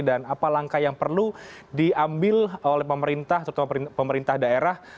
dan apa langkah yang perlu diambil oleh pemerintah terutama pemerintah daerah